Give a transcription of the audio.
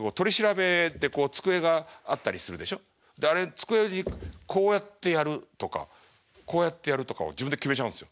机にこうやってやるとかこうやってやるとかを自分で決めちゃうんですよ。